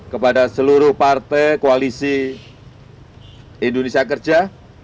kepada seluruh partai koalisi indonesia kerja